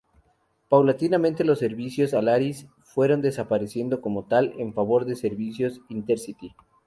Paulatinamente los servicios Alaris fueron desapareciendo como tal en favor de servicios Intercity.